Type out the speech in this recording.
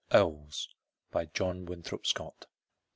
OWLS. JOHN WINTHROP SCOTT.